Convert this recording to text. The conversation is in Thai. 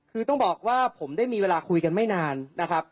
คือต้องบอกว่าผมได้มีเวลาคุยกันไม่นานนะครับ